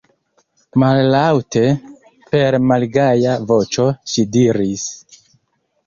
Mallaŭte, per malgaja voĉo ŝi diris: